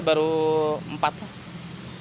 baru berapa nih perhariannya